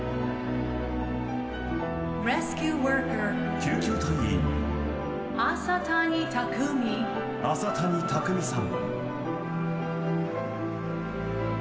救急隊員、朝谷拓海さん。